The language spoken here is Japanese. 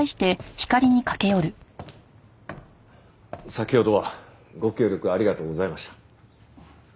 先ほどはご協力ありがとうございました。